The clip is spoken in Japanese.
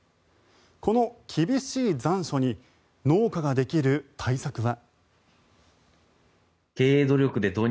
この厳しい残暑に農家ができる対策は。